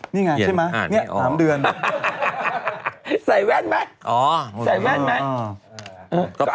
นี่ไงใช่ไหมนี่สามเดือนใส่แว่นไหมอ๋อใส่แว่นไหม